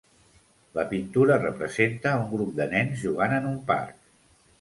La pintura representa un grup de nens jugant en un parc.